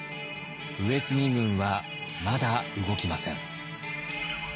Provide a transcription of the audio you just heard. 上杉軍はまだ動きません。